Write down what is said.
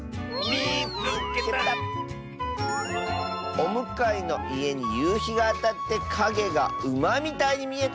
「おむかいのいえにゆうひがあたってかげがうまみたいにみえた！」。